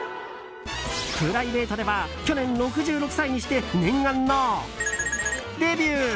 プライベートでは去年６６歳にして念願の○○デビュー。